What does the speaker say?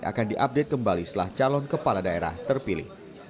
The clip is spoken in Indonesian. akan diupdate kembali setelah calon kepala daerah terpilih